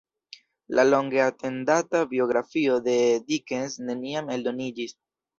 La longe atendata biografio de Dickens neniam eldoniĝis.